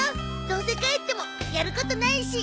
どうせ帰ってもやることないし。